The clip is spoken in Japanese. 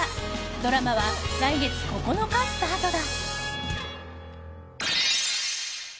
ドラマは来月９日スタートだ。